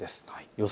予想